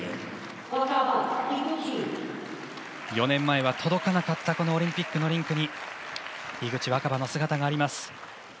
４年前は届かなかったこのオリンピックのリンクに樋口新葉の姿があります。